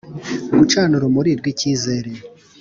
Gucana urumuri rw icyizere